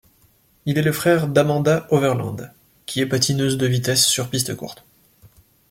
Il est le frère d'Amanda Overland, qui est patineuse de vitesse sur piste courte.